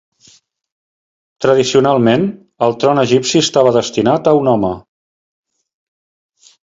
Tradicionalment, el tron egipci estava destinat a un home.